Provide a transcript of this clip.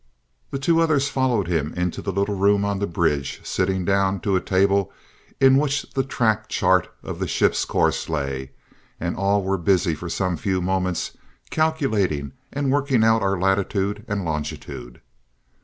The two others followed him into the little room on the bridge, sitting down to a table in which the track chart of the ship's course lay, and all were busy for some few moments calculating and working out our latitude and longitude.